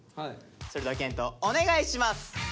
それでは謙杜お願いします。